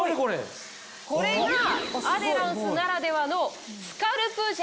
これがアデランスならではの。